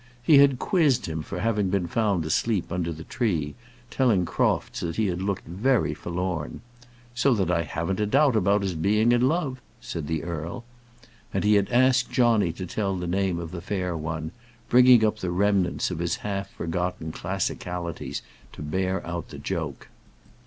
He had quizzed him for having been found asleep under the tree, telling Crofts that he had looked very forlorn, "So that I haven't a doubt about his being in love," said the earl. And he had asked Johnny to tell the name of the fair one, bringing up the remnants of his half forgotten classicalities to bear out the joke.